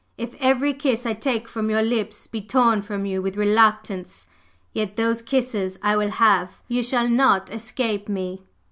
If every kiss I take from your lips be torn from you with reluctance, yet those kisses I will have! you shall not escape me!